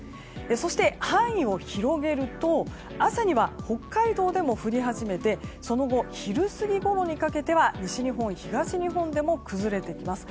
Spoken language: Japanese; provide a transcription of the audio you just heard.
そして、範囲を広げると朝には北海道でも降り始めてその後、昼過ぎごろにかけては西日本、東日本でも崩れてきます。